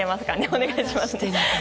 お願いしますね。